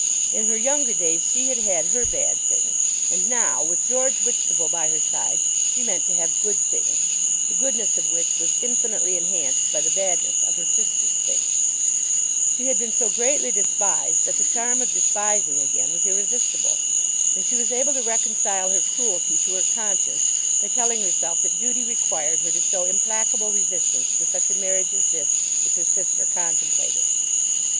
In her younger days she had had her bad things, and now, with George Whitstable by her side, she meant to have good things, the goodness of which was infinitely enhanced by the badness of her sister's things. She had been so greatly despised that the charm of despising again was irresistible. And she was able to reconcile her cruelty to her conscience by telling herself that duty required her to show implacable resistance to such a marriage as this which her sister contemplated.